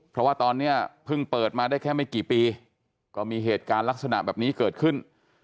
เพราะว่าตอนนี้เพิ่งเปิดมาได้แค่ไม่กี่ปีก็มีเหตุการณ์ลักษณะแบบนี้เกิดขึ้น